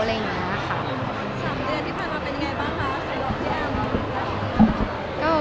๓เดือนที่พันป่าวเป็นยังไงบ้างคะเฉพาะข้อหากด้านบิน